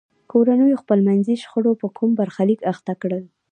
کورنیو خپلمنځي شخړو په کوم برخلیک اخته کړل.